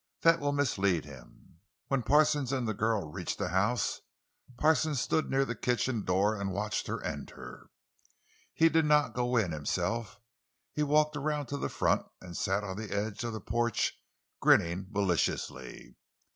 That will mislead him." When Parsons and the girl reached the house, Parsons stood near the kitchen door and watched her enter. He did not go in, himself; he walked around to the front and sat on the edge of the porch, grinning maliciously.